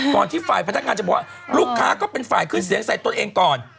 ที่ฝ่ายพนักงานจะบอกว่าลูกค้าก็เป็นฝ่ายขึ้นเสียงใส่ตนเองก่อน